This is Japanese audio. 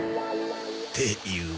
っていう。